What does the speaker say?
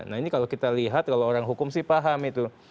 nah ini kalau kita lihat kalau orang hukum sih paham itu